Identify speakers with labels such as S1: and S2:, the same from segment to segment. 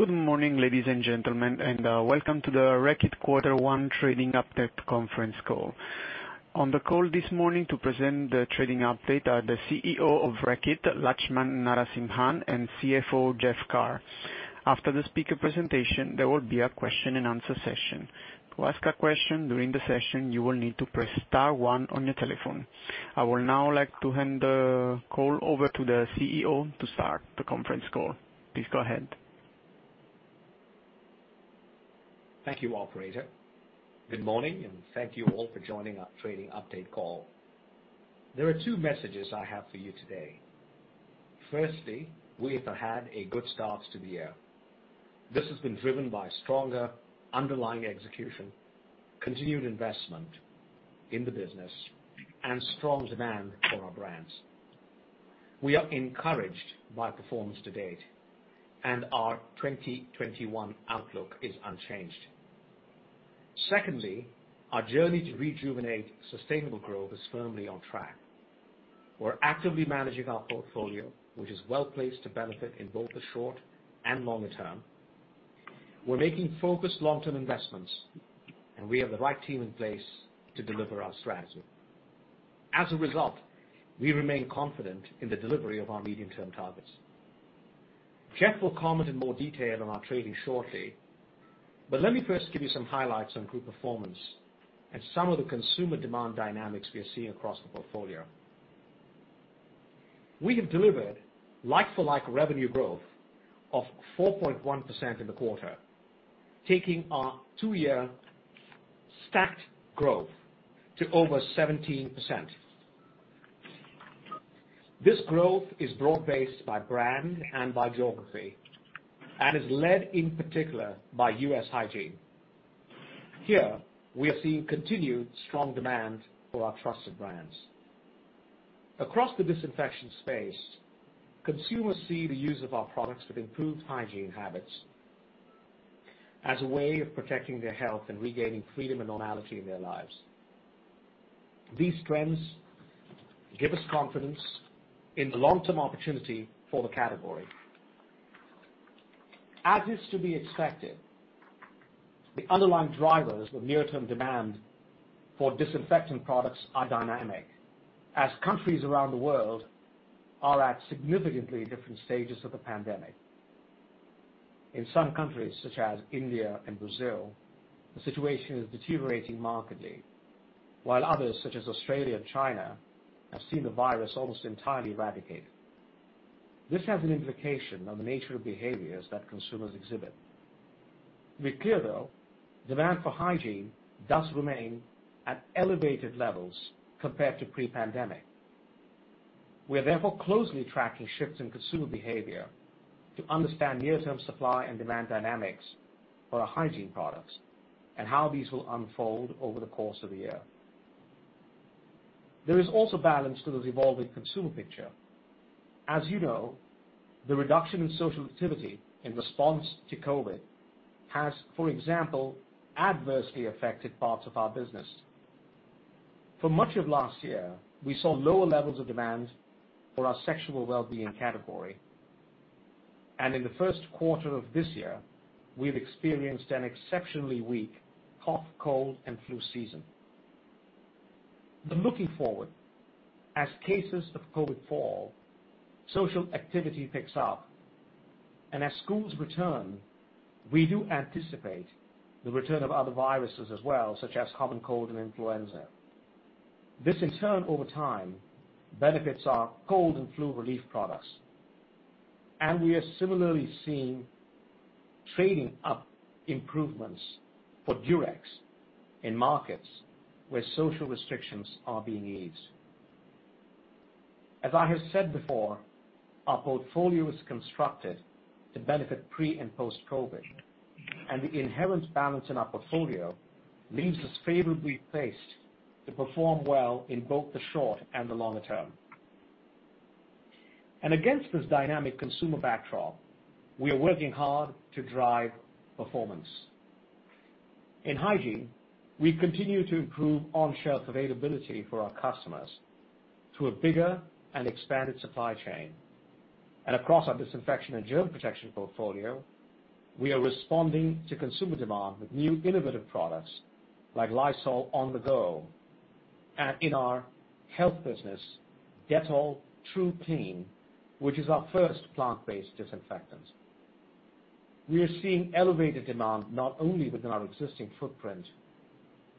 S1: Good morning, ladies and gentlemen, and welcome to the Reckitt Quarter One Trading Update conference call. On the call this morning to present the trading update are the CEO of Reckitt, Laxman Narasimhan, and CFO, Jeff Carr. After the speaker presentation, there will be a question and answer session. To ask a question during the session, you will need to press star one on your telephone. I would now like to hand the call over to the CEO to start the conference call. Please go ahead.
S2: Thank you, operator. Good morning, and thank you all for joining our trading update call. There are two messages I have for you today. Firstly, we have had a good start to the year. This has been driven by stronger underlying execution, continued investment in the business, and strong demand for our brands. We are encouraged by performance to date, and our 2021 outlook is unchanged. Secondly, our journey to rejuvenate sustainable growth is firmly on track. We're actively managing our portfolio, which is well-placed to benefit in both the short and longer term. We're making focused long-term investments, and we have the right team in place to deliver our strategy. As a result, we remain confident in the delivery of our medium-term targets. Jeff will comment in more detail on our trading shortly, but let me first give you some highlights on group performance and some of the consumer demand dynamics we are seeing across the portfolio. We have delivered like-for-like revenue growth of 4.1% in the quarter, taking our two-year stacked growth to over 17%. This growth is broad-based by brand and by geography and is led in particular by U.S. hygiene. Here, we are seeing continued strong demand for our trusted brands. Across the disinfection space, consumers see the use of our products with improved hygiene habits as a way of protecting their health and regaining freedom and normality in their lives. These trends give us confidence in the long-term opportunity for the category. As is to be expected, the underlying drivers of near-term demand for disinfectant products are dynamic as countries around the world are at significantly different stages of the pandemic. In some countries, such as India and Brazil, the situation is deteriorating markedly, while others, such as Australia and China, have seen the virus almost entirely eradicated. This has an implication on the nature of behaviors that consumers exhibit. Be clear, though, demand for hygiene does remain at elevated levels compared to pre-pandemic. We are therefore closely tracking shifts in consumer behavior to understand near-term supply and demand dynamics for our hygiene products and how these will unfold over the course of the year. There is also balance to this evolving consumer picture. As you know, the reduction in social activity in response to COVID has, for example, adversely affected parts of our business. For much of last year, we saw lower levels of demand for our sexual wellbeing category. In the first quarter of this year, we've experienced an exceptionally weak cough, cold, and flu season. Looking forward, as cases of COVID fall, social activity picks up, and as schools return, we do anticipate the return of other viruses as well, such as common cold and influenza. This in turn over time benefits our cold and flu relief products, and we are similarly seeing trading up improvements for Durex in markets where social restrictions are being eased. As I have said before, our portfolio is constructed to benefit pre- and post-COVID, and the inherent balance in our portfolio leaves us favorably placed to perform well in both the short and the longer term. Against this dynamic consumer backdrop, we are working hard to drive performance. In hygiene, we continue to improve on-shelf availability for our customers through a bigger and expanded supply chain. Across our disinfection and germ protection portfolio, we are responding to consumer demand with new innovative products like Lysol On the Go. In our health business, Dettol Tru Clean, which is our first plant-based disinfectant. We are seeing elevated demand not only within our existing footprint,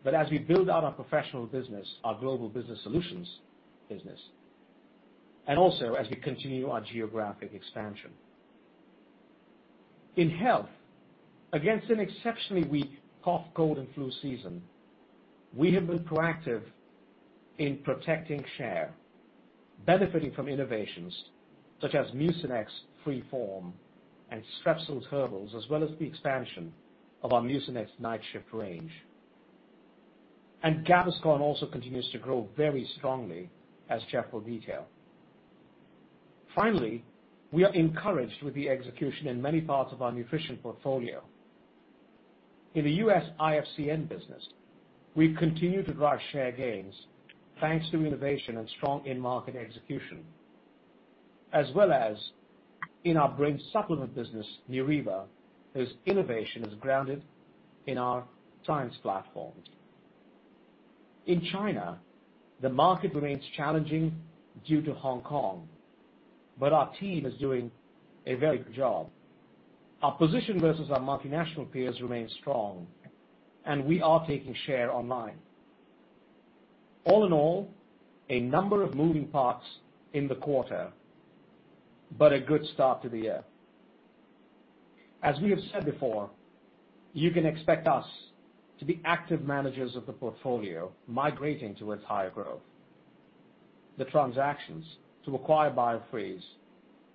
S2: but as we build out our professional business, our Global Business Solutions business, and also as we continue our geographic expansion. In health, against an exceptionally weak cough, cold, and flu season, we have been proactive in protecting share, benefiting from innovations such as Mucinex FreeFrom and Strepsils Herbal, as well as the expansion of our Mucinex Nightshift range. Gaviscon also continues to grow very strongly, as Jeff will detail. Finally, we are encouraged with the execution in many parts of our nutrition portfolio. In the U.S. IFCN business, we continue to drive share gains thanks to innovation and strong in-market execution, as well as in our brain supplement business, Neuriva, whose innovation is grounded in our science platforms. In China, the market remains challenging due to Hong Kong. Our team is doing a very good job. Our position versus our multinational peers remains strong. We are taking share online. All-in-all, a number of moving parts in the quarter. A good start to the year. As we have said before, you can expect us to be active managers of the portfolio, migrating towards higher growth. The transactions to acquire Biofreeze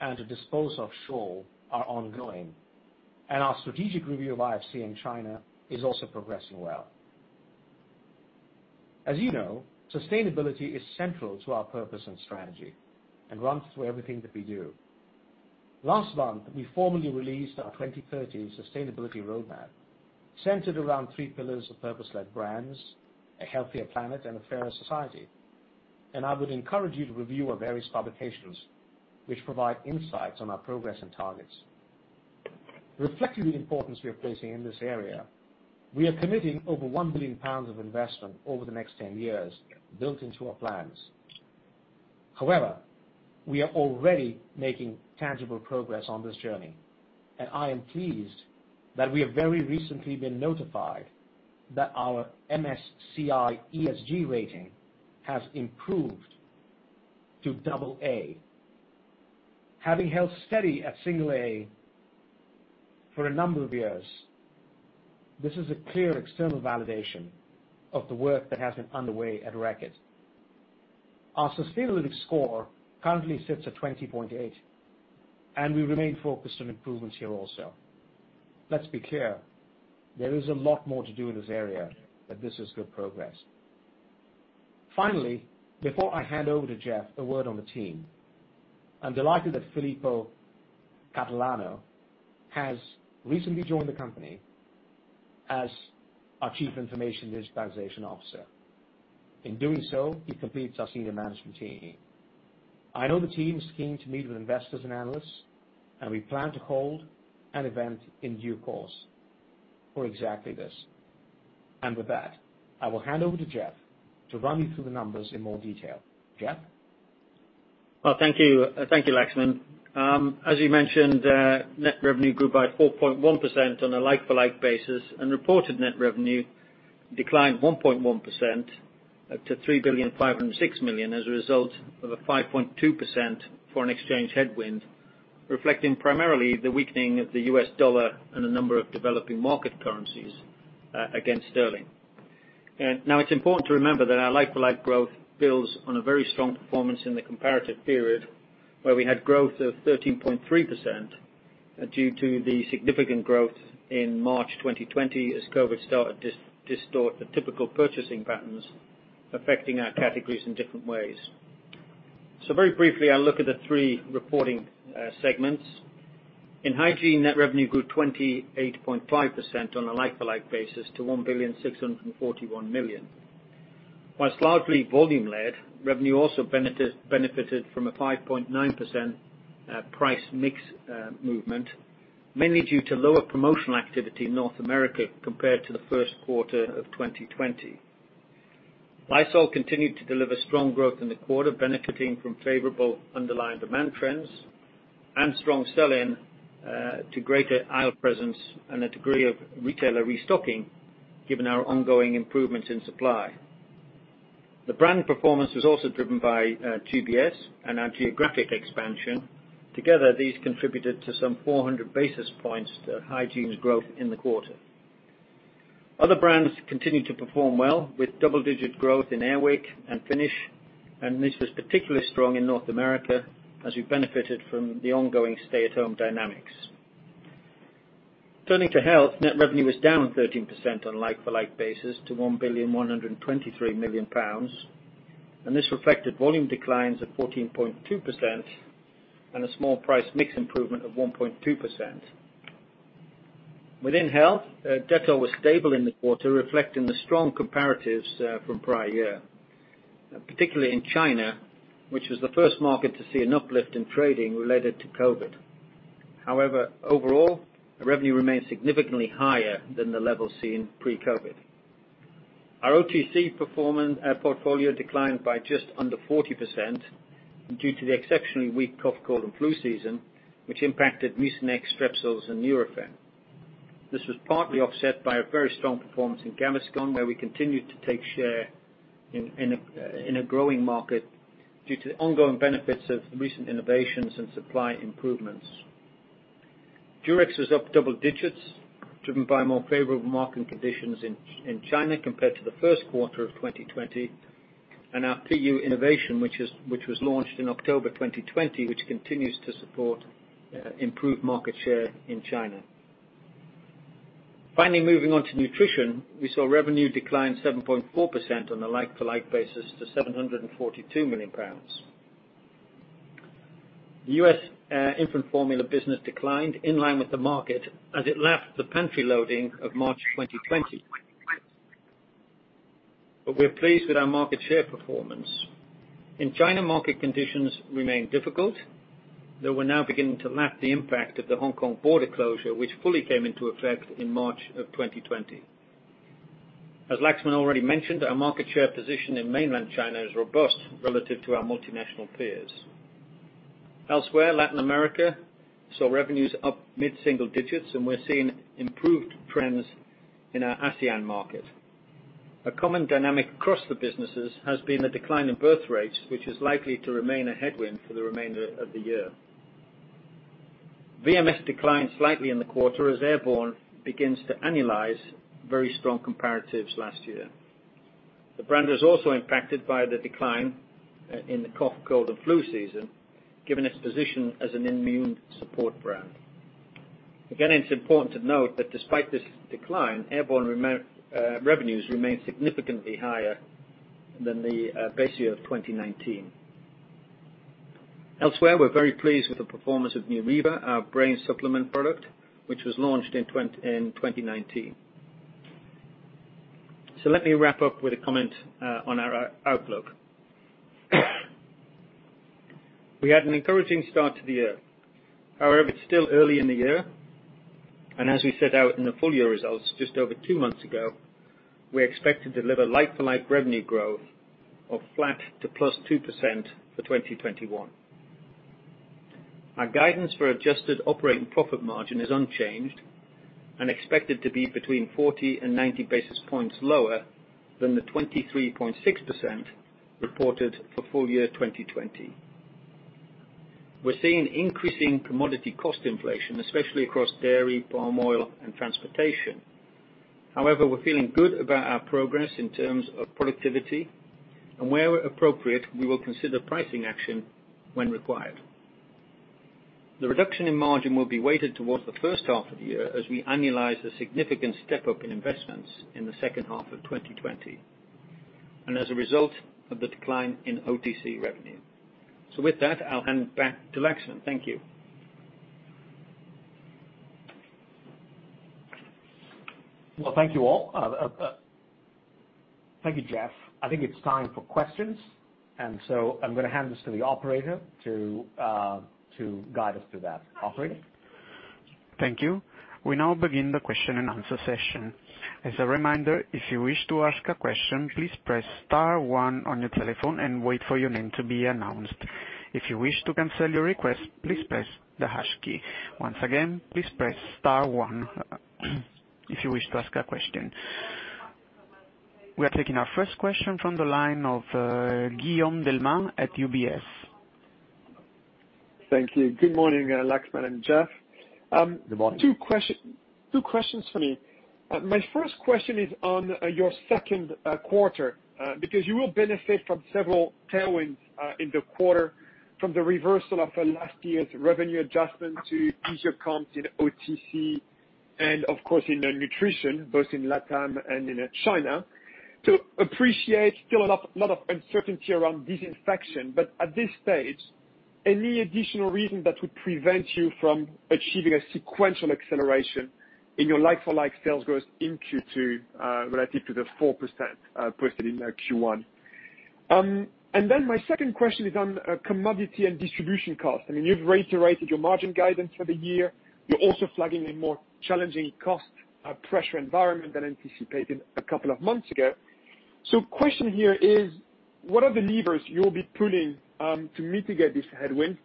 S2: and to dispose of Scholl are ongoing. Our strategic review of IFCN in China is also progressing well. As you know, sustainability is central to our purpose and strategy and runs through everything that we do. Last month, we formally released our 2030 sustainability roadmap, centered around three pillars of purpose-led brands, a healthier planet, and a fairer society. I would encourage you to review our various publications, which provide insights on our progress and targets. Reflecting the importance we are placing in this area, we are committing over 1 billion pounds of investment over the next 10 years built into our plans. However, we are already making tangible progress on this journey, and I am pleased that we have very recently been notified that our MSCI ESG rating has improved to double A. Having held steady at single A for a number of years, this is a clear external validation of the work that has been underway at Reckitt. Our sustainability score currently sits at 20.8, we remain focused on improvements here also. Let's be clear, there is a lot more to do in this area, but this is good progress. Finally, before I hand over to Jeff, a word on the team. I'm delighted that Filippo Catalano has recently joined the company as our Chief Information and Digitisation Officer. In doing so, he completes our senior management team. I know the team is keen to meet with investors and analysts, and we plan to hold an event in due course for exactly this. With that, I will hand over to Jeff to run you through the numbers in more detail. Jeff?
S3: Well, thank you, Laxman. As you mentioned, net revenue grew by 4.1% on a like-for-like basis, and reported net revenue declined 1.1% to 3,506 million as a result of a 5.2% foreign exchange headwind, reflecting primarily the weakening of the U.S. dollar and a number of developing market currencies against sterling. Now, it's important to remember that our like-for-like growth builds on a very strong performance in the comparative period, where we had growth of 13.3% due to the significant growth in March 2020 as COVID started to distort the typical purchasing patterns, affecting our categories in different ways. Very briefly, I'll look at the three reporting segments. In Hygiene, net revenue grew 28.5% on a like-for-like basis to 1,641 million. Whilst largely volume-led, revenue also benefited from a 5.9% price mix movement, mainly due to lower promotional activity in North America compared to the first quarter of 2020. Lysol continued to deliver strong growth in the quarter, benefiting from favorable underlying demand trends and strong sell-in to greater aisle presence and a degree of retailer restocking, given our ongoing improvements in supply. The brand performance was also driven by GBS and our geographic expansion. Together, these contributed to some 400 basis points to Hygiene's growth in the quarter. Other brands continued to perform well, with double-digit growth in Air Wick and Finish, this was particularly strong in North America as we benefited from the ongoing stay-at-home dynamics. Turning to Health, net revenue was down 13% on a like-for-like basis to 1,123,000,000 pounds. This reflected volume declines of 14.2% and a small price mix improvement of 1.2%. Within Health, Dettol was stable in the quarter, reflecting the strong comparatives from prior year, particularly in China, which was the first market to see an uplift in trading related to COVID. However, overall, revenue remains significantly higher than the level seen pre-COVID. Our OTC portfolio declined by just under 40% due to the exceptionally weak cough, cold, and flu season, which impacted Mucinex, Strepsils, and Nurofen. This was partly offset by a very strong performance in Gaviscon, where we continued to take share in a growing market due to the ongoing benefits of recent innovations and supply improvements. Durex was up double digits, driven by more favorable market conditions in China compared to the first quarter of 2020, and our polyurethane innovation, which was launched in October 2020, which continues to support improved market share in China. Finally, moving on to Nutrition, we saw revenue decline 7.4% on a like-for-like basis to 742 million pounds. U.S. infant formula business declined in line with the market as it left the pantry loading of March 2020. We're pleased with our market share performance. In China, market conditions remain difficult, though we're now beginning to lap the impact of the Hong Kong border closure, which fully came into effect in March of 2020. As Laxman already mentioned, our market share position in mainland China is robust relative to our multinational peers. Elsewhere, Latin America saw revenues up mid-single digits, and we're seeing improved trends in our ASEAN market. A common dynamic across the businesses has been the decline in birth rates, which is likely to remain a headwind for the remainder of the year. VMS declined slightly in the quarter as Airborne begins to annualize very strong comparatives last year. The brand is also impacted by the decline in the cough, cold and flu season, given its position as an immune support brand. Again, it's important to note that despite this decline, Airborne revenues remain significantly higher than the base year of 2019. Elsewhere, we're very pleased with the performance of Neuriva, our brain supplement product, which was launched in 2019. Let me wrap up with a comment on our outlook. We had an encouraging start to the year. However, it's still early in the year, and as we set out in the full year results just over two months ago, we expect to deliver like-for-like revenue growth of flat to plus 2% for 2021. Our guidance for adjusted operating profit margin is unchanged and expected to be between 40 and 90 basis points lower than the 23.6% reported for full year 2020. We're seeing increasing commodity cost inflation, especially across dairy, palm oil and transportation. However, we're feeling good about our progress in terms of productivity, and where appropriate, we will consider pricing action when required. The reduction in margin will be weighted towards the first half of the year as we annualize the significant step up in investments in the second half of 2020, and as a result of the decline in OTC revenue. With that, I'll hand back to Laxman. Thank you.
S2: Well, thank you all. Thank you, Jeff. I think it's time for questions. I'm going to hand this to the operator to guide us through that. Operator?
S1: Thank you. We now begin the question and answer session. As a reminder, if you wish to ask a question, please press star one on your telephone and wait for your name to be announced. If you wish to cancel your request, please press the hash key. Once again, please press star one if you wish to ask a question. We are taking our first question from the line of Guillaume Delmas at UBS.
S4: Thank you. Good morning, Laxman and Jeff.
S2: Good morning.
S4: Two questions from me. My first question is on your second quarter because you will benefit from several tailwinds in the quarter from the reversal of last year's revenue adjustment to easier comps in OTC and of course, in nutrition, both in LATAM and in China. Appreciate still a lot of uncertainty around disinfection, but at this stage, any additional reason that would prevent you from achieving a sequential acceleration in your like-for-like sales growth in Q2 relative to the 4% posted in Q1? My second question is on commodity and distribution cost. You've reiterated your margin guidance for the year. You're also flagging a more challenging cost pressure environment than anticipated a couple of months ago. Question here is, what are the levers you'll be pulling to mitigate this headwind?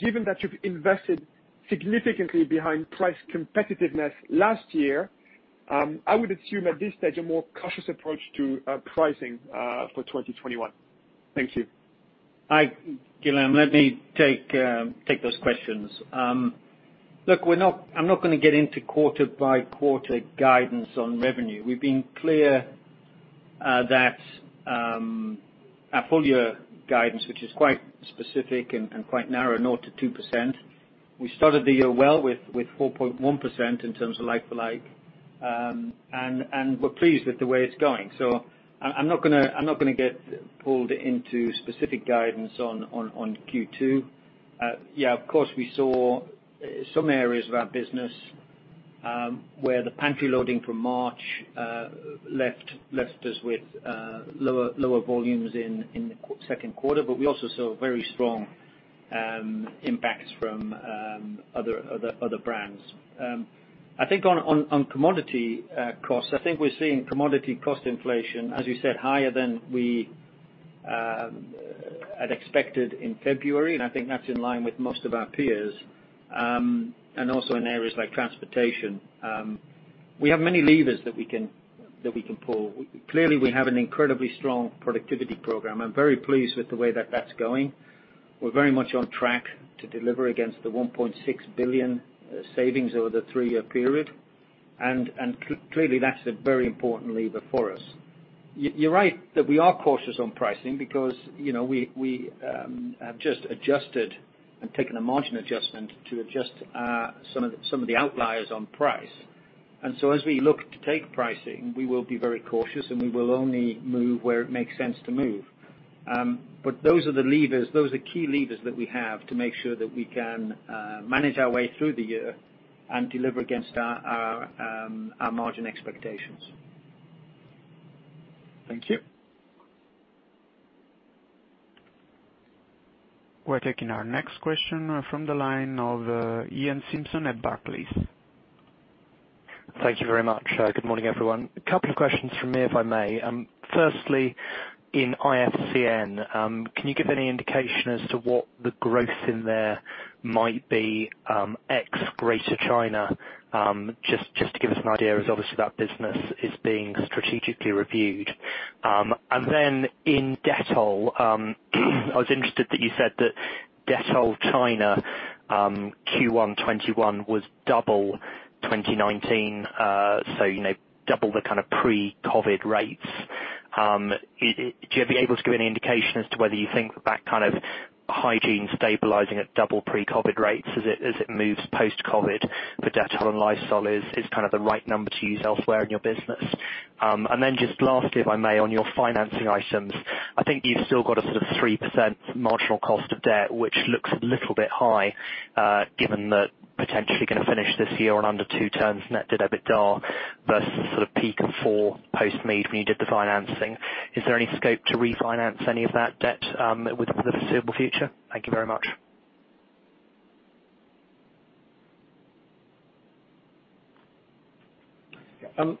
S4: Given that you've invested significantly behind price competitiveness last year, I would assume at this stage, a more cautious approach to pricing for 2021. Thank you.
S3: Hi, Guillaume. Let me take those questions. I'm not going to get into quarter by quarter guidance on revenue. We've been clear that our full year guidance, which is quite specific and quite narrow, 0%-2%. We started the year well with 4.1% in terms of like-for-like. We're pleased with the way it's going. I'm not going to get pulled into specific guidance on Q2. Of course, we saw some areas of our business, where the pantry loading from March left us with lower volumes in the second quarter. We also saw very strong impacts from other brands. On commodity costs, I think we're seeing commodity cost inflation, as you said, higher than we had expected in February. That's in line with most of our peers, and also in areas like transportation. We have many levers that we can pull. We have an incredibly strong productivity program. I'm very pleased with the way that that's going. We're very much on track to deliver against the 1.6 billion savings over the three-year period. That's a very important lever for us. You're right that we are cautious on pricing because we have just adjusted and taken a margin adjustment to adjust some of the outliers on price. As we look to take pricing, we will be very cautious and we will only move where it makes sense to move. Those are the key levers that we have to make sure that we can manage our way through the year and deliver against our margin expectations.
S4: Thank you.
S1: We're taking our next question from the line of Iain Simpson at Barclays.
S5: Thank you very much. Good morning, everyone. A couple of questions from me, if I may. In IFCN, can you give any indication as to what the growth in there might be ex-Greater China? Just to give us an idea, as obviously that business is being strategically reviewed. In Dettol, I was interested that you said that Dettol China Q1 2021 was double 2019, so double the pre-COVID rates. Would you be able to give any indication as to whether you think that kind of hygiene stabilizing at double pre-COVID rates as it moves post-COVID for Dettol and Lysol is the right number to use elsewhere in your business? Just lastly, if I may, on your financing items, I think you've still got a sort of 3% marginal cost of debt, which looks a little bit high, given that potentially you're going to finish this year on under 2 turns net debt EBITDA versus sort of peak 4 post-Mead when you did the financing. Is there any scope to refinance any of that debt within the foreseeable future? Thank you very much.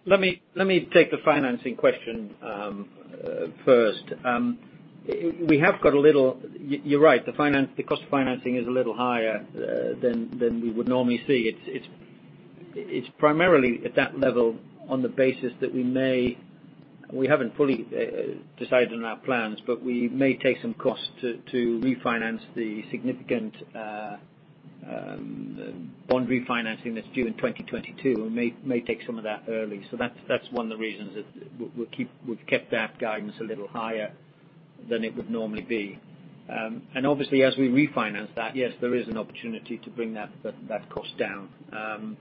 S3: Let me take the financing question first. You're right, the cost of financing is a little higher than we would normally see. It's primarily at that level on the basis that we haven't fully decided on our plans, but we may take some costs to refinance the significant bond refinancing that's due in 2022. We may take some of that early. That's one of the reasons that we've kept that guidance a little higher than it would normally be. Obviously, as we refinance that, yes, there is an opportunity to bring that cost down.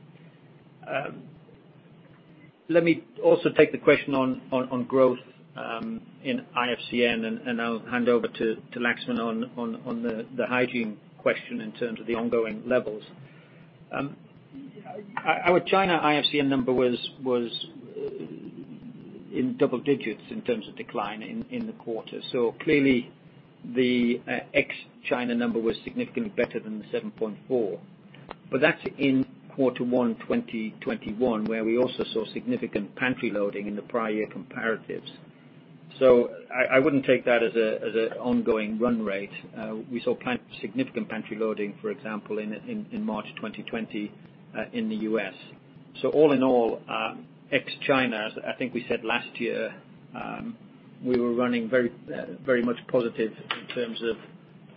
S3: Let me also take the question on growth in IFCN, and I'll hand over to Laxman on the hygiene question in terms of the ongoing levels. Our China IFCN number was in double digits in terms of decline in the quarter. Clearly the ex-China number was significantly better than the 7.4. That's in Q1 2021, where we also saw significant pantry loading in the prior year comparatives. I wouldn't take that as an ongoing run rate. We saw significant pantry loading, for example, in March 2020, in the U.S. All-in-all, ex-China, I think we said last year, we were running very much positive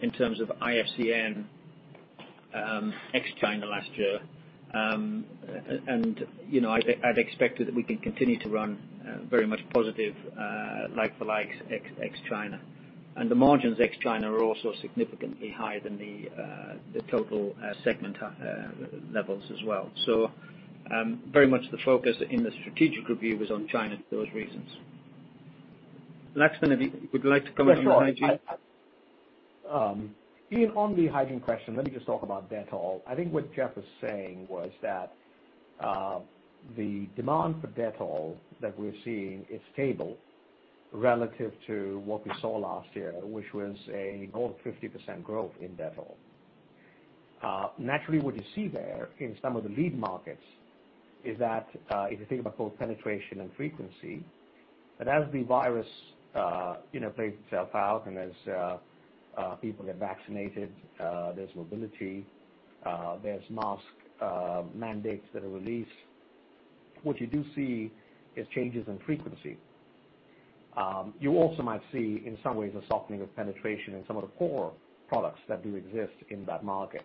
S3: in terms of IFCN ex-China last year. I'd expect that we can continue to run very much positive like for likes ex-China. The margins ex-China are also significantly higher than the total segment levels as well. Very much the focus in the strategic review is on China for those reasons. Laxman, would you like to comment on hygiene?
S2: Sure. Iain, on the hygiene question, let me just talk about Dettol. I think what Jeff was saying was that the demand for Dettol that we're seeing is stable relative to what we saw last year, which was a more than 50% growth in Dettol. What you see there in some of the lead markets is that, if you think about both penetration and frequency, that as the virus plays itself out and as people get vaccinated, there's mobility, there's mask mandates that are released, what you do see is changes in frequency. You also might see, in some ways, a softening of penetration in some of the core products that do exist in that market.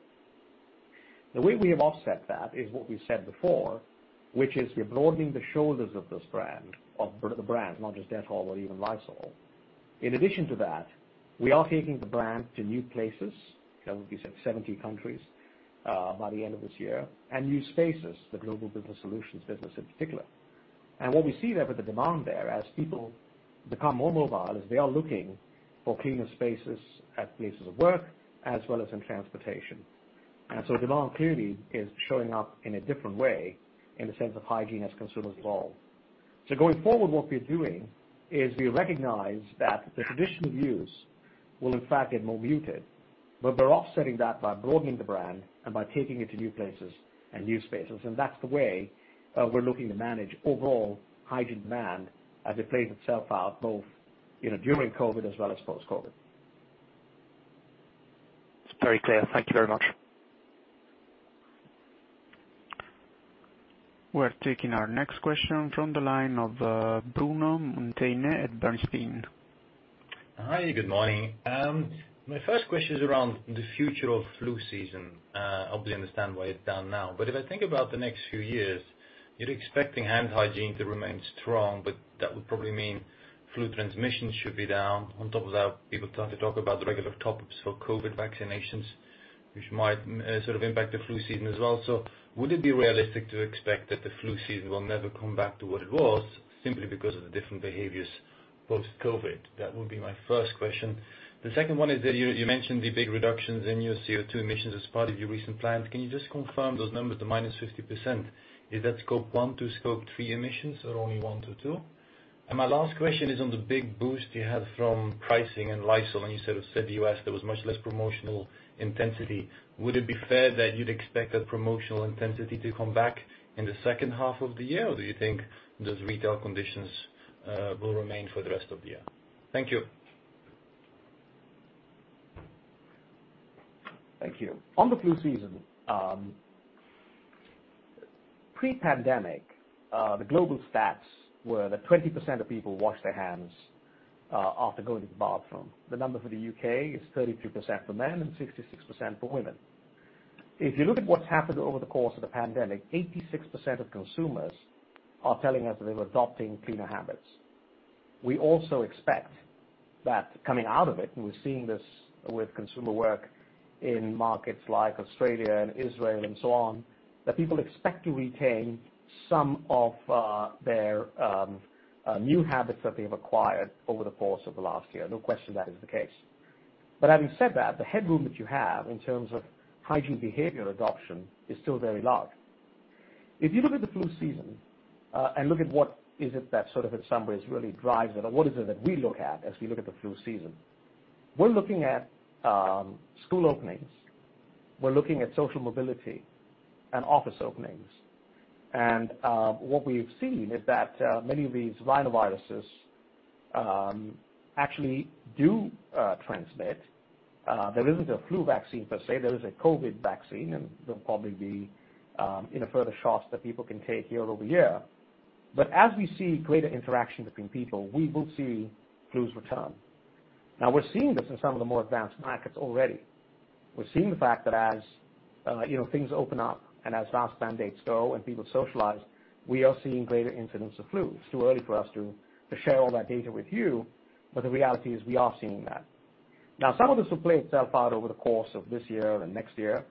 S2: The way we have offset that is what we said before, which is we are broadening the shoulders of the brands, not just Dettol, but even Lysol. In addition to that, we are taking the brand to new places, I think we said 70 countries by the end of this year, and new spaces, the Global Business Solutions business in particular. What we see there with the demand there, as people become more mobile, is they are looking for cleaner spaces at places of work as well as in transportation. Demand clearly is showing up in a different way in the sense of hygiene as consumers evolve. Going forward, what we are doing is we recognize that the traditional use will in fact get more muted, but we're offsetting that by broadening the brand and by taking it to new places and new spaces, and that's the way we're looking to manage overall hygiene demand as it plays itself out, both during COVID as well as post-COVID.
S5: It is very clear. Thank you very much.
S1: We're taking our next question from the line of Bruno Monteyne at Bernstein.
S6: Hi, good morning. My first question is around the future of flu season. Obviously understand why it's down now, but if I think about the next few years, you're expecting hand hygiene to remain strong, but that would probably mean flu transmission should be down. On top of that, people start to talk about the regular top-ups for COVID vaccinations, which might sort of impact the flu season as well. Would it be realistic to expect that the flu season will never come back to what it was simply because of the different behaviors post-COVID? That would be my first question. The second one is that you mentioned the big reductions in your CO2 emissions as part of your recent plans. Can you just confirm those numbers, the minus 50%? Is that Scope 1 to Scope 3 emissions or only 1-2? My last question is on the big boost you had from pricing and Lysol, and you said the U.S., there was much less promotional intensity. Would it be fair that you'd expect that promotional intensity to come back in the second half of the year? Or do you think those retail conditions will remain for the rest of the year? Thank you.
S2: Thank you. On the flu season, pre-pandemic, the global stats were that 20% of people wash their hands after going to the bathroom. The number for the U.K. is 32% for men and 66% for women. If you look at what's happened over the course of the pandemic, 86% of consumers are telling us that they were adopting cleaner habits. We also expect that coming out of it, and we're seeing this with consumer work in markets like Australia and Israel and so on, that people expect to retain some of their new habits that they've acquired over the course of the last year. No question that is the case. Having said that, the headroom that you have in terms of hygiene behavior adoption is still very large. If you look at the flu season, look at what is it that sort of at some ways really drives it or what is it that we look at as we look at the flu season, we're looking at school openings. We're looking at social mobility and office openings. What we've seen is that, many of these rhinoviruses actually do transmit. There isn't a flu vaccine per se. There is a COVID vaccine, and there'll probably be in a further shots that people can take year-over-year. As we see greater interaction between people, we will see flu's return. Now, we're seeing this in some of the more advanced markets already. We're seeing the fact that as things open up and as mask mandates go and people socialize, we are seeing greater incidents of flu. It's too early for us to share all that data with you, but the reality is we are seeing that. Now, some of this will play itself out over the course of this year and next year.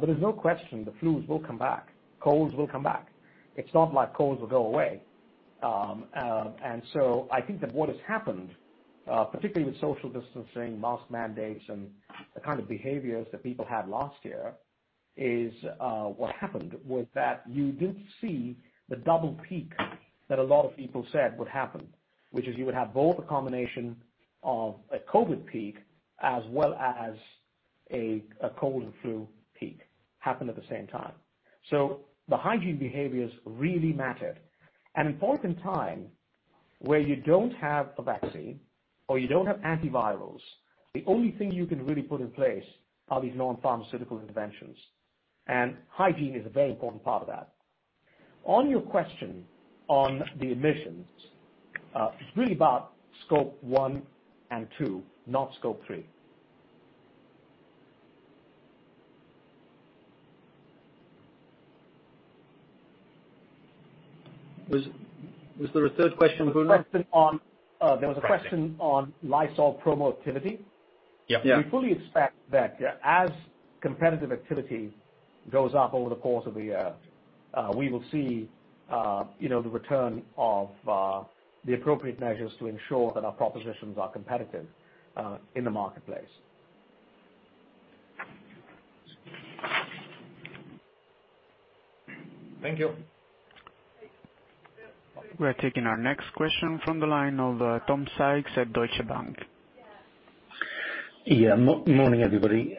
S2: There's no question the flu will come back, colds will come back. It's not like colds will go away. I think that what has happened, particularly with social distancing, mask mandates, and the kind of behaviors that people had last year, what happened was that you didn't see the double peak that a lot of people said would happen, which is you would have both a combination of a COVID peak as well as a cold and flu peak happen at the same time. The hygiene behaviors really mattered. An important time where you don't have a vaccine or you don't have antivirals, the only thing you can really put in place are these non-pharmaceutical interventions. Hygiene is a very important part of that. On your question on the emissions, it's really about Scope 1 and 2, not Scope 3.
S3: Was there a third question, Bruno?
S2: There was a question on Lysol promo activity.
S6: Yeah.
S2: We fully expect that as competitive activity goes up over the course of the year, we will see the return of the appropriate measures to ensure that our propositions are competitive in the marketplace.
S6: Thank you.
S1: We're taking our next question from the line of Tom Sykes at Deutsche Bank.
S7: Morning, everybody.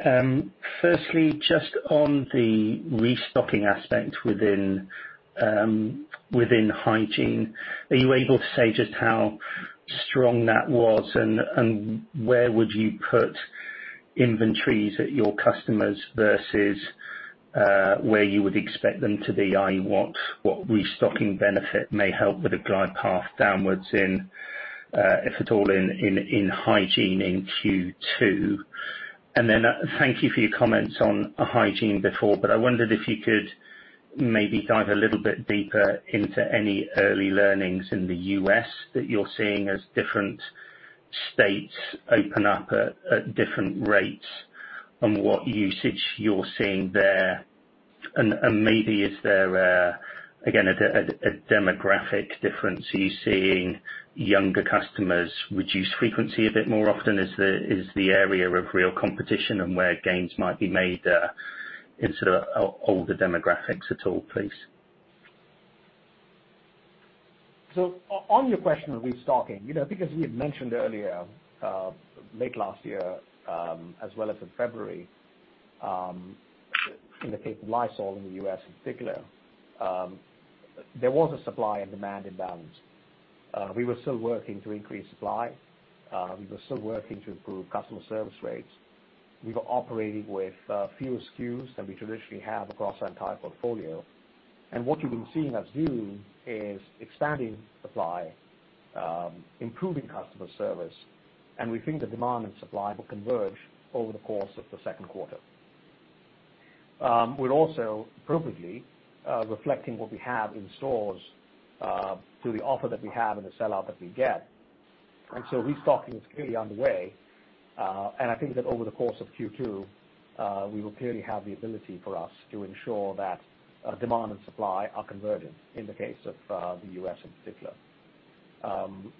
S7: Firstly, just on the restocking aspect within hygiene, are you able to say just how strong that was and where would you put inventories at your customers versus where you would expect them to be, i.e., what restocking benefit may help with a glide path downwards in, if at all, in hygiene in Q2? Thank you for your comments on hygiene before, but I wondered if you could maybe dive a little bit deeper into any early learnings in the U.S. that you're seeing as different states open up at different rates and what usage you're seeing there. Maybe is there, again, a demographic difference? Are you seeing younger customers reduce frequency a bit more often? Is the area of real competition and where gains might be made in sort of older demographics at all, please?
S2: On your question on restocking, because we had mentioned earlier, late last year, as well as in February, in the case of Lysol in the U.S. in particular, there was a supply and demand imbalance. We were still working to increase supply. We were still working to improve customer service rates. We were operating with fewer SKUs than we traditionally have across our entire portfolio. What you've been seeing us do is expanding supply, improving customer service, and we think the demand and supply will converge over the course of the second quarter. We're also appropriately reflecting what we have in stores to the offer that we have and the sell-out that we get. Restocking is clearly underway. I think that over the course of Q2, we will clearly have the ability for us to ensure that demand and supply are convergent in the case of the U.S. in particular.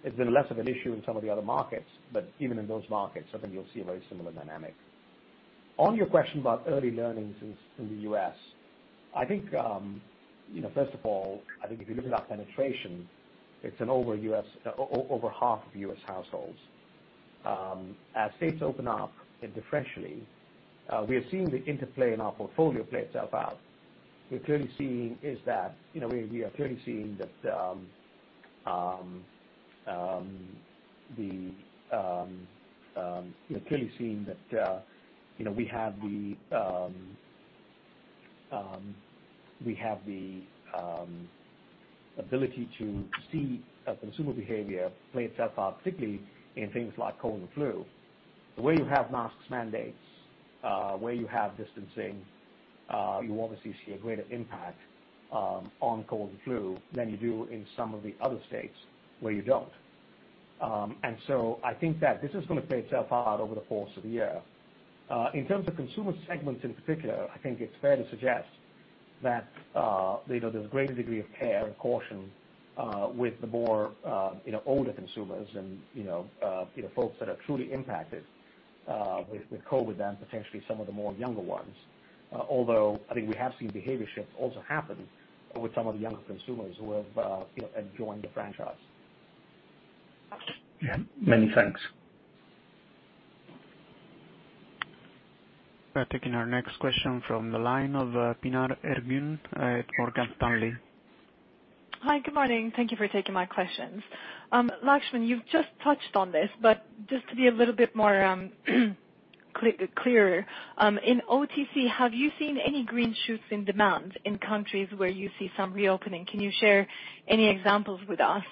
S2: It's been less of an issue in some of the other markets, but even in those markets, I think you'll see a very similar dynamic. On your question about early learnings in the U.S., first of all, I think if you look at our penetration, it's in over half of U.S. households. As states open up differentially, we are seeing the interplay in our portfolio play itself out. We are clearly seeing that we have the ability to see consumer behavior play itself out, particularly in things like cold and flu. Where you have mask mandates, where you have distancing, you obviously see a greater impact on cold and flu than you do in some of the other states where you don't. I think that this is going to play itself out over the course of the year. In terms of consumer segments in particular, I think it's fair to suggest that there's a greater degree of care and caution with the older consumers and folks that are truly impacted with COVID than potentially some of the more younger ones. Although, I think we have seen behavior shifts also happen with some of the younger consumers who have joined the franchise.
S7: Yeah. Many thanks.
S1: Taking our next question from the line of Pinar Ergun at Morgan Stanley.
S8: Hi, good morning. Thank you for taking my questions. Laxman, you've just touched on this, but just to be a little bit more clear, in OTC, have you seen any green shoots in demand in countries where you see some reopening? Can you share any examples with us?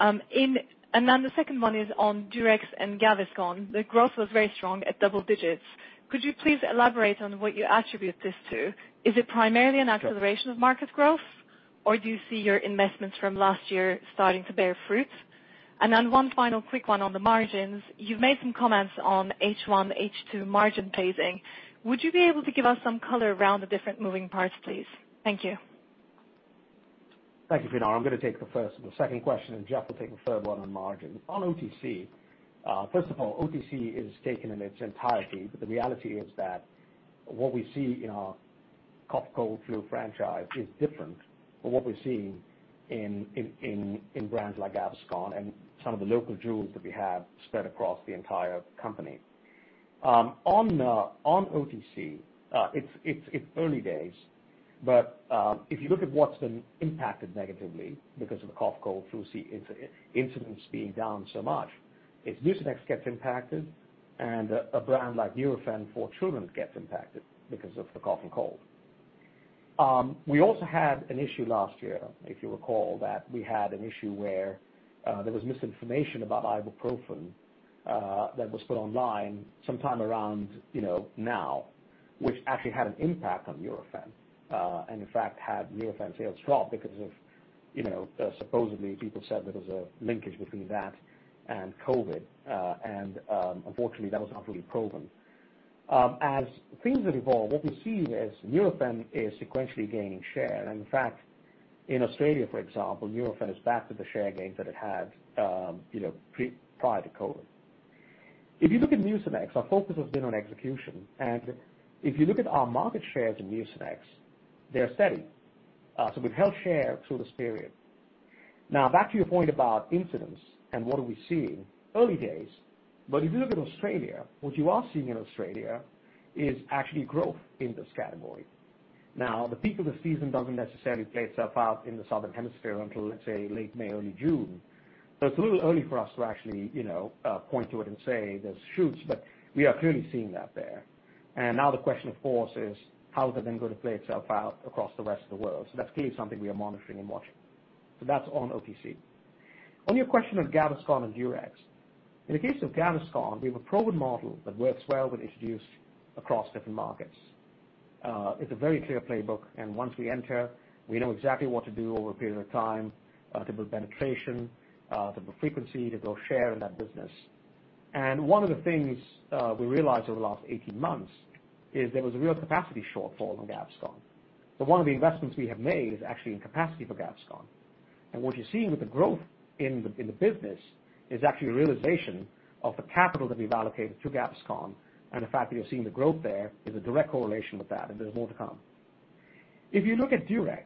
S8: The second one is on Durex and Gaviscon. The growth was very strong at double digits. Could you please elaborate on what you attribute this to? Is it primarily an acceleration of market growth, or do you see your investments from last year starting to bear fruit? One final quick one on the margins. You've made some comments on H1, H2 margin pacing. Would you be able to give us some color around the different moving parts, please? Thank you.
S2: Thank you, Pinar. I'm going to take the first and the second question, and Jeff will take the third one on margin. On OTC, first of all, OTC is taken in its entirety, but the reality is that what we see in our cough, cold, flu franchise is different from what we're seeing in brands like Gaviscon and some of the local jewels that we have spread across the entire company. On OTC, it's early days, but if you look at what's been impacted negatively because of the cough, cold, flu incidents being down so much, it's Mucinex gets impacted and a brand like Nurofen for children gets impacted because of the cough and cold. We also had an issue last year, if you recall, that we had an issue where there was misinformation about ibuprofen that was put online sometime around now, which actually had an impact on Nurofen. In fact, had Nurofen sales drop because of supposedly people said there was a linkage between that and COVID. Unfortunately, that was not really proven. As things have evolved, what we're seeing is Nurofen is sequentially gaining share. In fact, in Australia, for example, Nurofen is back to the share gains that it had prior to COVID. If you look at Mucinex, our focus has been on execution. If you look at our market shares in Mucinex, they are steady. We've held share through this period. Back to your point about incidents and what are we seeing, early days, but if you look at Australia, what you are seeing in Australia is actually growth in this category. The peak of the season doesn't necessarily play itself out in the southern hemisphere until, let's say, late May, early June. It's a little early for us to actually point to it and say there's shoots, but we are clearly seeing that there. Now the question, of course, is how is that then going to play itself out across the rest of the world. That's clearly something we are monitoring and watching. That's on OTC. On your question on Gaviscon and Durex, in the case of Gaviscon, we have a proven model that works well when introduced across different markets. It's a very clear playbook, and once we enter, we know exactly what to do over a period of time to build penetration, to build frequency, to build share in that business. One of the things we realized over the last 18 months is there was a real capacity shortfall on Gaviscon. One of the investments we have made is actually in capacity for Gaviscon. What you're seeing with the growth in the business is actually a realization of the capital that we've allocated to Gaviscon, and the fact that you're seeing the growth there is a direct correlation with that, and there's more to come. If you look at Durex,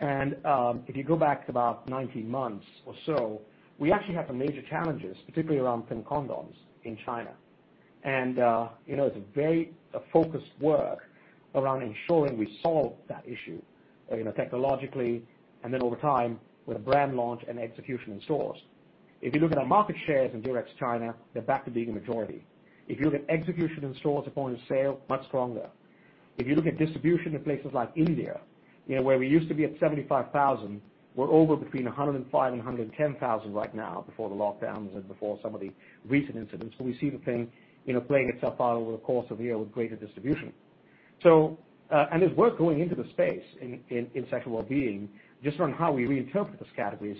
S2: and if you go back to about 19 months or so, we actually had some major challenges, particularly around thin condoms in China. It's a very focused work around ensuring we solve that issue technologically, and then over time with a brand launch and execution in stores. If you look at our market shares in Durex China, they're back to being a majority. If you look at execution in stores at point of sale, much stronger. If you look at distribution in places like India, where we used to be at 75,000, we're over between 105,000 and 110,000 right now before the lockdowns and before some of the recent incidents. We see the thing playing itself out over the course of the year with greater distribution. There's work going into the space in sexual wellbeing, just around how we reinterpret those categories.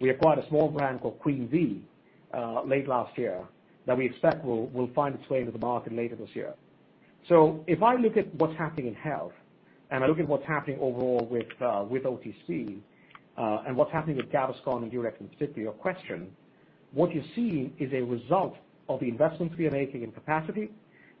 S2: We acquired a small brand called Queen V late last year that we expect will find its way into the market later this year. If I look at what's happening in health and I look at what's happening overall with OTC and what's happening with Gaviscon and Durex specifically, your question, what you're seeing is a result of the investments we are making in capacity,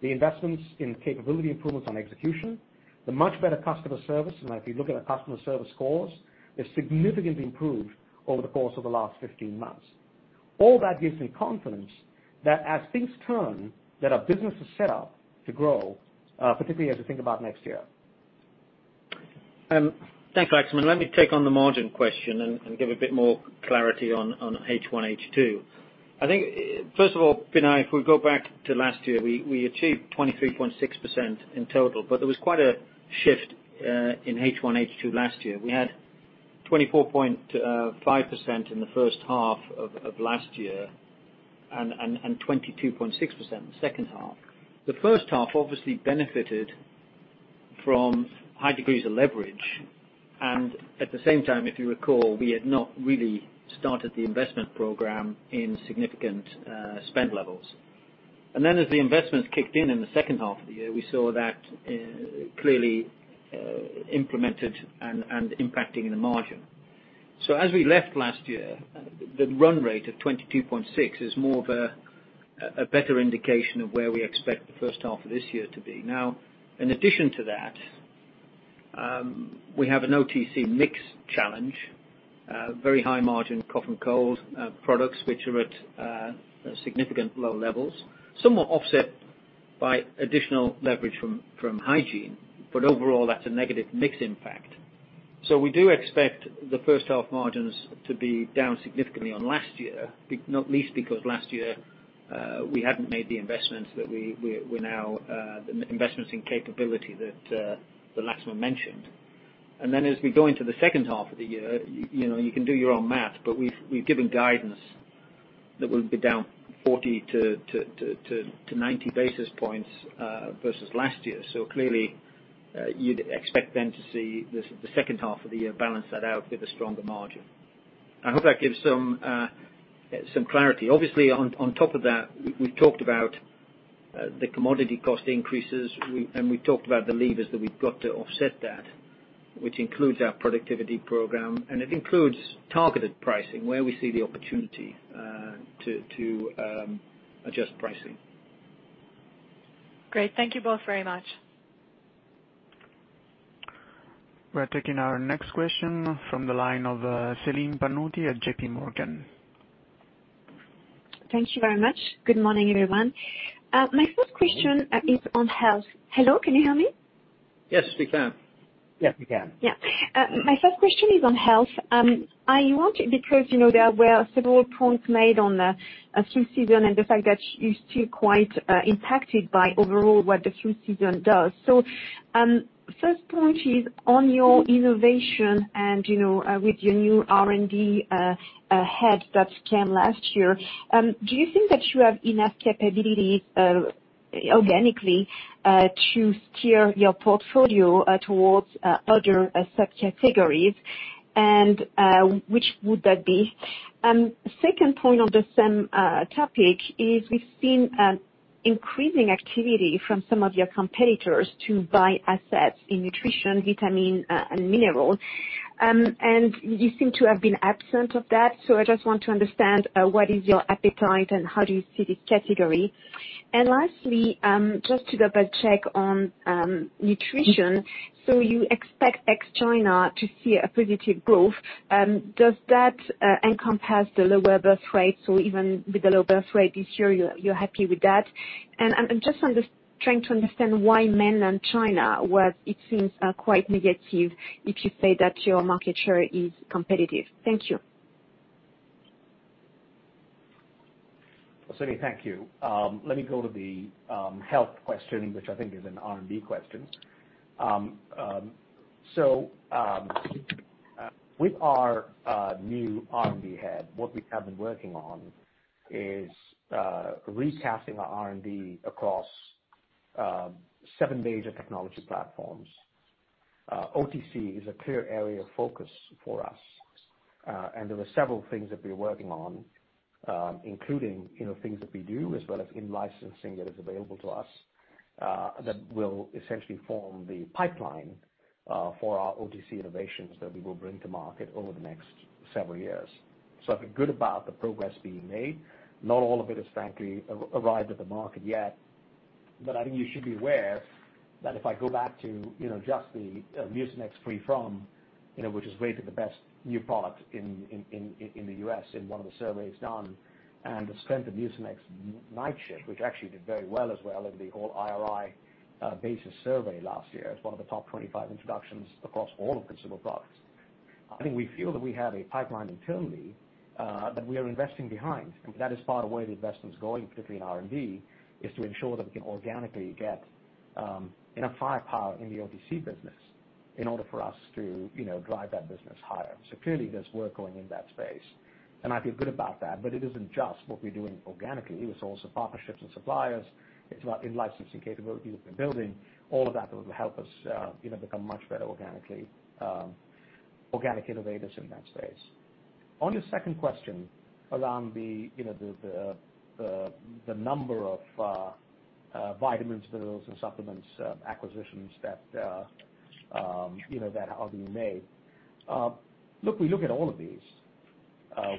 S2: the investments in capability improvements on execution, the much better customer service. If you look at our customer service scores, they've significantly improved over the course of the last 15 months. All that gives me confidence that as things turn, that our business is set up to grow, particularly as we think about next year.
S3: Thanks, Laxman. Let me take on the margin question and give a bit more clarity on H1, H2. I think, first of all, Pinar, if we go back to last year, we achieved 23.6% in total, but there was quite a shift in H1, H2 last year. We had 24.5% in the first half of last year and 22.6% in the second half. The first half obviously benefited from high degrees of leverage, and at the same time, if you recall, we had not really started the investment program in significant spend levels. As the investments kicked in the second half of the year, we saw that clearly implemented and impacting the margin. As we left last year, the run rate of 22.6% is more of a better indication of where we expect the first half of this year to be. In addition to that, we have an OTC mix challenge, very high margin cough and cold products, which are at significant low levels, somewhat offset by additional leverage from hygiene. Overall, that's a negative mix impact. We do expect the first half margins to be down significantly on last year, not least because last year we hadn't made the investments in capability that Laxman mentioned. As we go into the second half of the year, you can do your own math, but we've given guidance that we'll be down 40-90 basis points versus last year. Clearly, you'd expect then to see the second half of the year balance that out with a stronger margin. I hope that gives some clarity. Obviously, on top of that, we've talked about the commodity cost increases, and we've talked about the levers that we've got to offset that, which includes our productivity program, and it includes targeted pricing, where we see the opportunity to adjust pricing.
S8: Great. Thank you both very much.
S1: We're taking our next question from the line of Celine Pannuti at JPMorgan.
S9: Thank you very much. Good morning, everyone. My first question is on health. Hello, can you hear me?
S3: Yes, we can.
S2: Yes, we can.
S9: My first question is on health. Because there were several points made on the flu season and the fact that you are still quite impacted by overall what the flu season does. First point is on your innovation and with your new R&D head that came last year. Do you think that you have enough capability organically to steer your portfolio towards other subcategories, and which would that be? Second point on the same topic is we have seen increasing activity from some of your competitors to buy assets in nutrition, vitamins, and minerals. You seem to have been absent of that. I just want to understand what is your appetite and how do you see this category. Lastly, just to double check on nutrition. You expect ex China to see a positive growth. Does that encompass the lower birth rate? Even with the low birth rate this year, you're happy with that? I'm just trying to understand why MENA and China, where it seems quite negative if you say that your market share is competitive. Thank you.
S2: Celine, thank you. Let me go to the health question, which I think is an R&D question. With our new R&D head, what we have been working on is recasting our R&D across seven major technology platforms. OTC is a clear area of focus for us. There are several things that we're working on, including things that we do as well as in-licensing that is available to us, that will essentially form the pipeline for our OTC innovations that we will bring to market over the next several years. I feel good about the progress being made. Not all of it has frankly arrived at the market yet. I think you should be aware that if I go back to just the Mucinex FreeFrom, which was rated the best new product in the U.S. in one of the surveys done, and the strength of Mucinex Nightshift, which actually did very well as well in the whole IRI basis survey last year. It was one of the top 25 introductions across all of consumer products. I think we feel that we have a pipeline internally that we are investing behind. That is part of where the investment's going, particularly in R&D, is to ensure that we can organically get enough firepower in the OTC business. In order for us to drive that business higher. Clearly there's work going in that space, and I feel good about that. It isn't just what we're doing organically, it's also partnerships and suppliers. It's in licensing capabilities we've been building. All of that will help us become much better organic innovators in that space. On your second question around the number of vitamins, pills, and supplements acquisitions that are being made. Look, we look at all of these.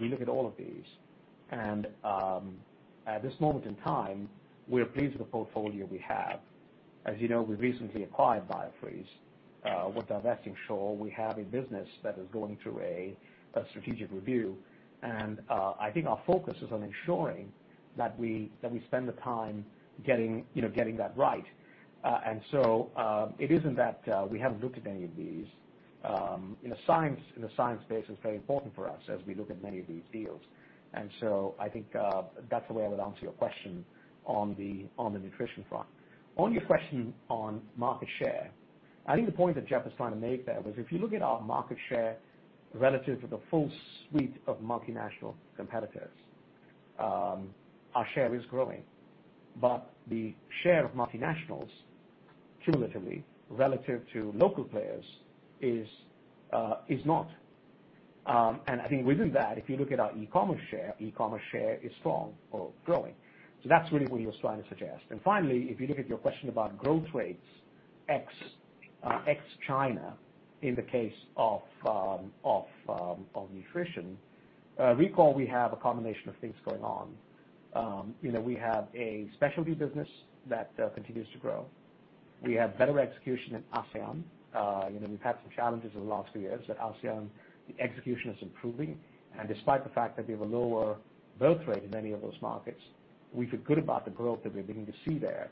S2: We look at all of these. At this moment in time, we are pleased with the portfolio we have. As you know, we recently acquired Biofreeze. We're divesting Sure. We have a business that is going through a strategic review. I think our focus is on ensuring that we spend the time getting that right. It isn't that we haven't looked at any of these. In the science space it's very important for us as we look at many of these deals. I think that's the way I would answer your question on the nutrition front. On your question on market share, I think the point that Jeff was trying to make there was, if you look at our market share relative to the full suite of multinational competitors, our share is growing. The share of multinationals cumulatively relative to local players is not. I think within that, if you look at our e-commerce share, e-commerce share is strong or growing. That's really what he was trying to suggest. Finally, if you look at your question about growth rates ex China in the case of nutrition, recall we have a combination of things going on. We have a specialty business that continues to grow. We have better execution in ASEAN. We've had some challenges over the last few years at ASEAN. The execution is improving, and despite the fact that we have a lower growth rate in many of those markets, we feel good about the growth that we are beginning to see there.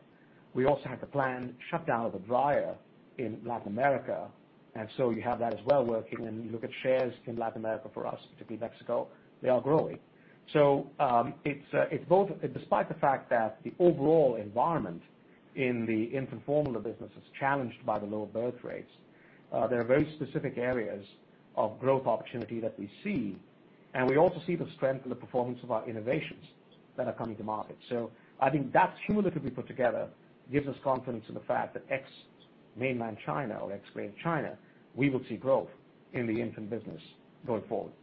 S2: We also have the planned shutdown of the dryer in Latin America, and so you have that as well working. You look at shares in Latin America for us, particularly Mexico, they are growing. Despite the fact that the overall environment in the infant formula business is challenged by the low birth rates, there are very specific areas of growth opportunity that we see, and we also see the strength and the performance of our innovations that are coming to market. I think that cumulatively put together gives us confidence in the fact that ex-mainland China or ex-Greater China, we will see growth in the infant business going forward.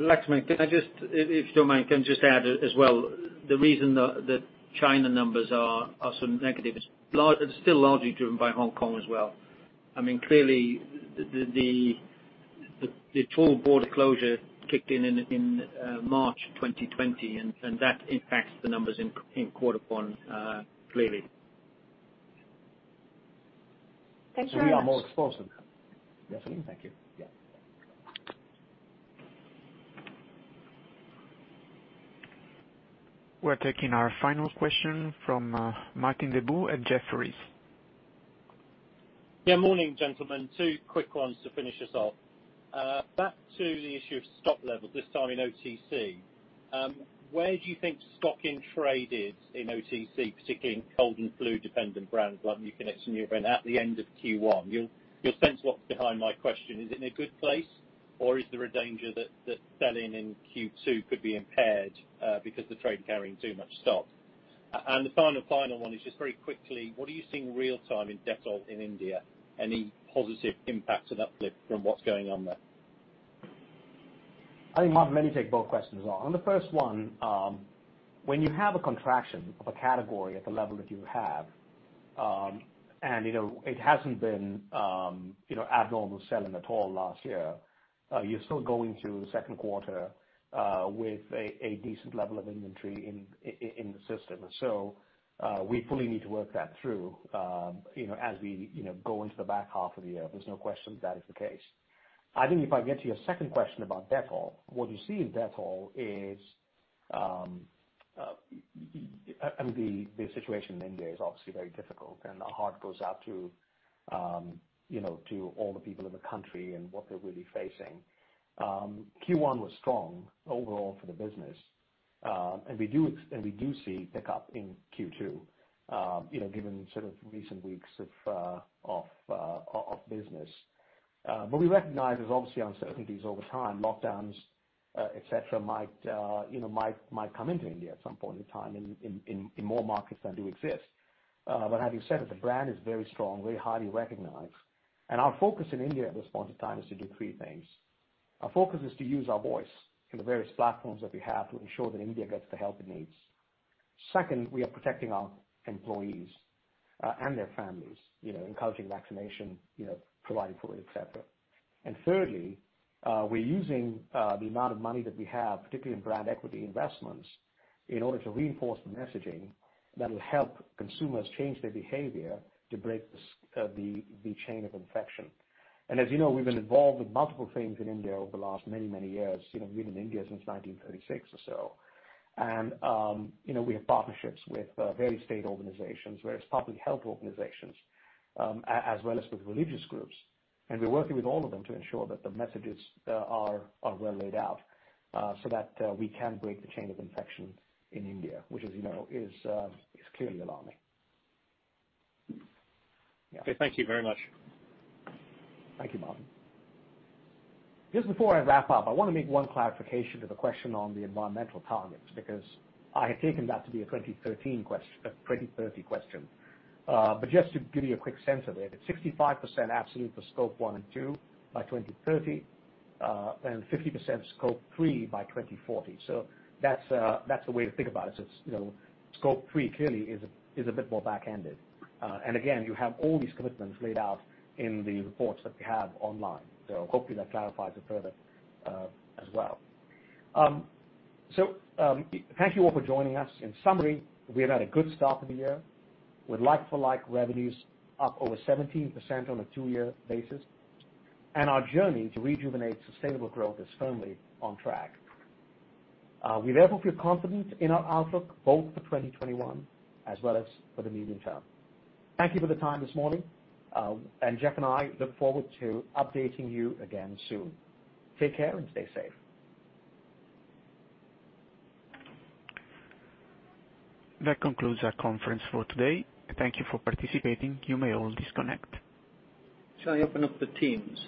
S3: Laxman, can I just, if you don't mind, can I just add as well, the reason the China numbers are so negative is it's still largely driven by Hong Kong as well. Clearly, the total border closure kicked in in March 2020 and that impacts the numbers in quarter one clearly.
S9: Thanks very much.
S2: We are more exposed.
S3: Yes.
S2: Thank you.
S3: Yeah.
S1: We're taking our final question from Martin Deboo at Jefferies.
S10: Yeah, morning, gentlemen. Two quick ones to finish us off. Back to the issue of stock levels, this time in OTC. Where do you think stock in trade is in OTC, particularly in cold and flu-dependent brands like Mucinex and Neuriva at the end of Q1? You'll sense what's behind my question. Is it in a good place or is there a danger that selling in Q2 could be impaired because the trade carrying too much stock? The final one is just very quickly, what are you seeing real time in Dettol in India? Any positive impact or uplift from what's going on there?
S2: I think, Martin, let me take both questions on. On the first one, when you have a contraction of a category at the level that you have, and it hasn't been abnormal selling at all last year, you're still going through the second quarter with a decent level of inventory in the system. We fully need to work that through as we go into the back half of the year. There's no question that is the case. I think if I get to your second question about Dettol, what you see in Dettol is. The situation in India is obviously very difficult and our heart goes out to all the people in the country and what they're really facing. Q1 was strong overall for the business. We do see pickup in Q2, given sort of recent weeks of business. We recognize there's obviously uncertainties over time. Lockdowns, et cetera, might come into India at some point in time in more markets than do exist. Having said that, the brand is very strong, very highly recognized. Our focus in India at this point in time is to do three things. Our focus is to use our voice in the various platforms that we have to ensure that India gets the help it needs. Second, we are protecting our employees, and their families, encouraging vaccination, providing food, et cetera. Thirdly, we're using the amount of money that we have, particularly in brand equity investments, in order to reinforce the messaging that will help consumers change their behavior to break the chain of infection. As you know, we've been involved with multiple things in India over the last many, many years. We've been in India since 1936 or so. We have partnerships with various state organizations, various public health organizations, as well as with religious groups. We're working with all of them to ensure that the messages are well laid out, so that we can break the chain of infection in India, which as you know, is clearly alarming.
S10: Okay. Thank you very much.
S2: Thank you, Martin. Just before I wrap up, I want to make one clarification to the question on the environmental targets, because I had taken that to be a 2030 question. Just to give you a quick sense of it's 65% absolute for Scope 1 and 2 by 2030, and 50% Scope 3 by 2040. That's the way to think about it is just Scope 3 clearly is a bit more back-ended. Again, you have all these commitments laid out in the reports that we have online. Hopefully that clarifies it further as well. Thank you all for joining us. In summary, we have had a good start to the year with like-for-like revenues up over 17% on a two-year basis, and our journey to rejuvenate sustainable growth is firmly on track. We therefore feel confident in our outlook both for 2021 as well as for the medium term. Thank you for the time this morning. Jeff and I look forward to updating you again soon. Take care and stay safe.
S1: That concludes our conference for today. Thank you for participating. You may all disconnect.
S3: Shall I open up the Teams?